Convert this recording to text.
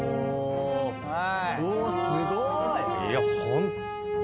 おおすごい！